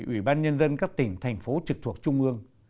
ủy ban nhân dân các tỉnh thành phố trực thuộc trung ương